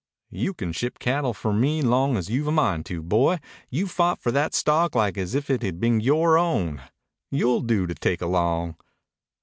"You can ship cattle for me long as you've a mind to, boy. You fought for that stock like as if it had been yore own. You'll do to take along."